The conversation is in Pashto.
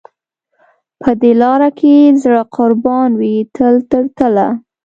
په دې لار کې زړه قربان وي تل تر تله.